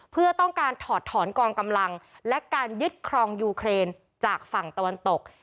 เพื่อต้องการถอดถอนกองกำลังและการยึดครองยูเครนจากฝั่งตะวันตก